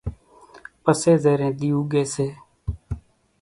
پسي زيرين ۮي اُوڳي سي